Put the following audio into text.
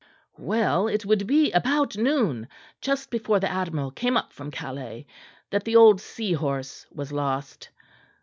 "Well it would be about noon, just before the Admiral came up from Calais, that the old Seahorse was lost.